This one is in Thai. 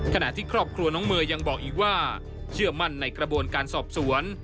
ขณะที่ครอบครัวน้องเมย์ยังบอกอีกว่าเชื่อมั่นในกระบวนการสอบสวน